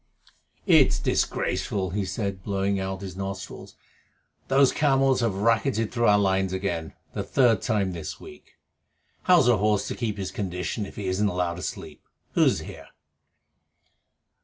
"It's disgraceful," he said, blowing out his nostrils. "Those camels have racketed through our lines again the third time this week. How's a horse to keep his condition if he isn't allowed to sleep. Who's here?"